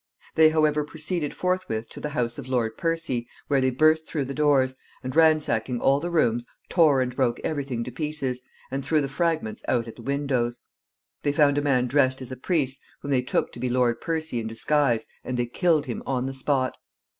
They, however, proceeded forthwith to the house of Lord Percy, where they burst through the doors, and, ransacking all the rooms, tore and broke every thing to pieces, and threw the fragments out at the windows. They found a man dressed as a priest, whom they took to be Lord Percy in disguise, and they killed him on the spot.